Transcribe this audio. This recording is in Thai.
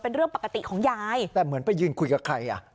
เป็นเรื่องปกติของยายแต่เหมือนไปยืนคุยกับใครอ่ะ